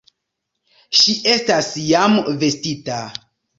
Ŝi estas jam vestita.